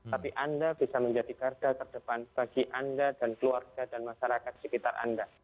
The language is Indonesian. tapi anda bisa menjadi garda terdepan bagi anda dan keluarga dan masyarakat sekitar anda